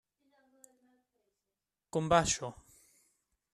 Com va això?